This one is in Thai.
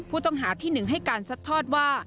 ผู้ต้องหาที่๑ให้การซัดทอดว่า